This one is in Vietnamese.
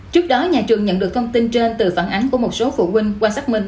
trước đó nhà trường nhận được thông tin trên từ phản ánh của một số phụ huynh quan sát mình